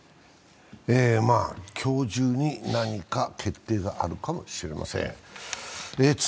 今日中に何か決定があるかもしれません。